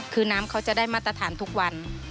คือน้ำเขาจะได้มาตรฐานทุกวัน